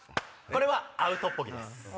これはアウトッポギです。